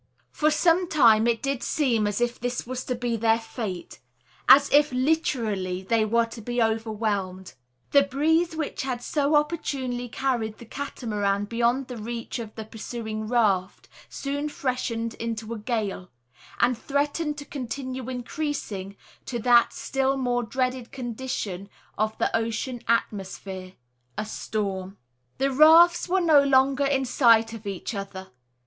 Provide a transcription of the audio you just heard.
For some time did it seem as if this was to be their fate, as if, literally, they were to be overwhelmed. The breeze which had so opportunely carried the Catamaran beyond the reach of the pursuing raft, soon freshened into a gale; and threatened to continue increasing to that still more dreaded condition of the ocean atmosphere, a storm. The rafts were no longer in sight of each other.